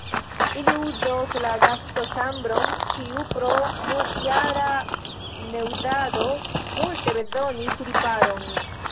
Ili uzos la gastoĉambron, kiu pro multjara neuzado multe bezonis riparon.